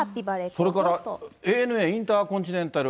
それからＡＮＡインターコンチネンタル